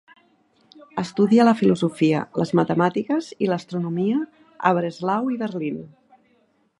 Estudia la filosofia, les matemàtiques i l'astronomia a Breslau i Berlín.